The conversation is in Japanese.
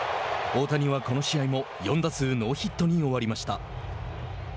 大谷は、この試合も４打数ノーヒットに終わりました。